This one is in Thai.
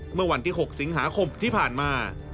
เมื่อวันที่๖สิงหาคมที่ผ่านมา